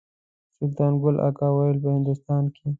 سلطان ګل اکا ویل په هندوستان کې.